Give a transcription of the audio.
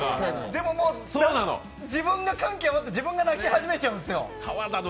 でも、自分が感極まって、自分が泣き始めちゃうんですよ。